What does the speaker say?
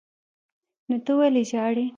نو ته ولې ژاړې.